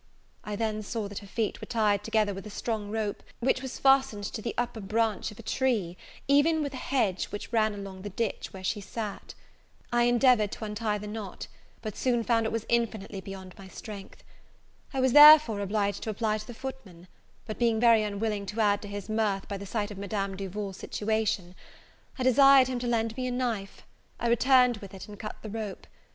I then saw that her feet were tied together with a strong rope, which was fastened to the upper branch of a tree, even with a hedge which ran along the ditch where she sat. I endeavoured to untie the knot; but soon found it was infinitely beyond my strength. I was, therefore, obliged to apply to the footman; but, being very unwilling to add to his mirth by the sight of Madame Duval's situation. I desired him to lend me a knife: I returned with it, and cut the rope.